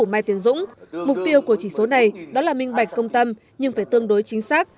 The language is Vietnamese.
mai tiến dũng mục tiêu của chỉ số này đó là minh bạch công tâm nhưng phải tương đối chính xác